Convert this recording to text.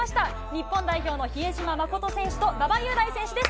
日本代表の比江島慎選手と馬場雄大選手です。